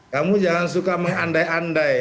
kamu jangan suka mengandai andai